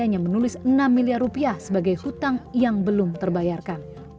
hanya menulis enam miliar rupiah sebagai hutang yang belum terbayarkan